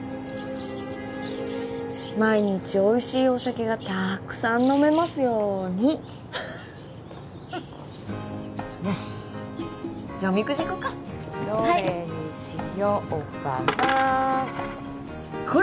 毎日おいしいお酒がたくさん飲めますようにフッよしじゃおみくじ引こっかはいどれにしようかなこれ！